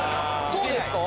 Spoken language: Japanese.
そうですか？